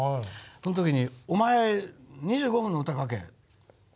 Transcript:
その時に「おまえ２５分の歌を書け」。